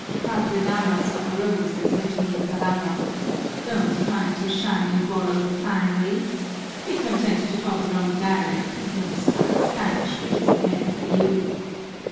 Padre Damaso arose and said to me in Tagalog: 'Don't try to shine in borrowed finery. Be content to talk your own dialect and don't spoil Spanish, which isn't meant for you.